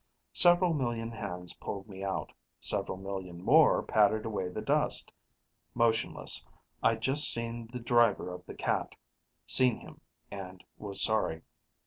Several million hands pulled me out; several million more patted away the dust. Motionless, I'd just seen the driver of the cat. Seen him and was sorry.